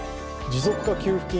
持続化給付金